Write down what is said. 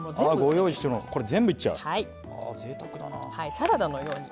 サラダのように。